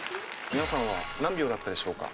皆さんは何秒だったでしょうか？